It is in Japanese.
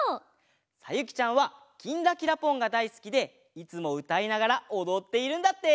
さゆきちゃんは「きんらきらぽん」がだいすきでいつもうたいながらおどっているんだって！